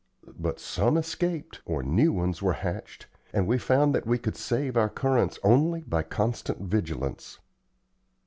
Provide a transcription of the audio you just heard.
But some escaped or new ones were hatched, and we found that we could save our currants only by constant vigilance.